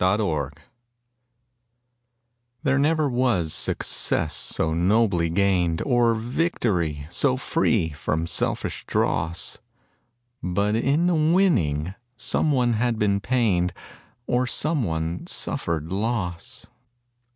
SUN SHADOWS There never was success so nobly gained, Or victory so free from selfish dross, But in the winning some one had been pained Or some one suffered loss.